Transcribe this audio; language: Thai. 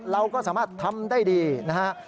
เราก็สามารถทำได้ดีนะฮะ